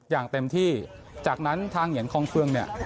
อย่างเต็มที่จากนั้นทางเหงียนคองเฟืองเนี่ย